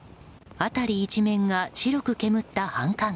辺り一面が白く煙った繁華街。